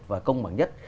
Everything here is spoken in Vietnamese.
và công bằng nhất